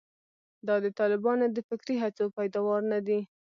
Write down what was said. دا د طالبانو د فکري هڅو پیداوار نه دي.